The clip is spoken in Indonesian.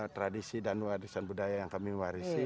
tradisi dan warisan budaya yang kami warisi